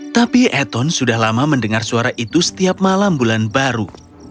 tapi ethon sudah lama mendengar suara itu setiap malam bulan baru